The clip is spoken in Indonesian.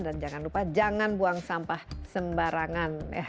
dan jangan lupa jangan buang sampah sembarangan